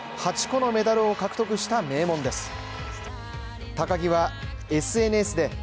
８個のメダルを獲得した名門です。